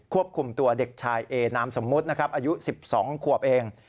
ควบคุมตัวเด็กชายเอนามสมมุตินะครับอายุ๑๒ขวบเอง